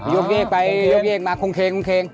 โยกเล็กไปโยกเล็กมาคงเครง